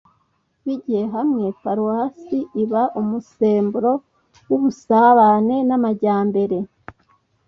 bigiye hamwe, paruwasi iba umusemburo w'ubusabane n'amajyambere